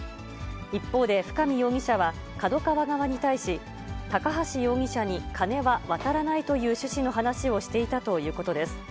一方で、深見容疑者はＫＡＤＯＫＡＷＡ側に対し、高橋容疑者に金は渡らないという趣旨の話をしていたということです。